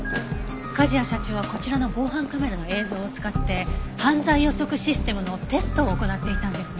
梶谷社長はこちらの防犯カメラの映像を使って犯罪予測システムのテストを行っていたんですね？